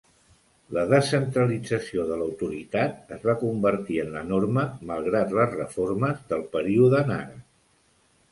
La descentralització de l'autoritat es va convertir en la norma malgrat les reformes del període Nara.